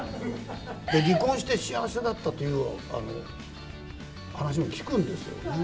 離婚して幸せだったという話も聞くんですよね。